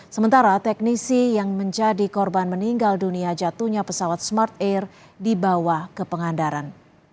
sementara teknisi yang menjadi korban meninggal dunia jatuhnya pesawat smart air dibawa ke pengandaran